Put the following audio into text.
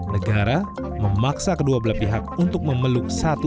negara memaksa kedua belah pihak untuk memeluk satu